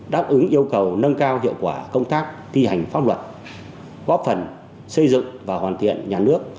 đáp ứng yêu cầu nâng cao hiệu quả công tác thi hành pháp luật góp phần xây dựng và hoàn thiện nhà nước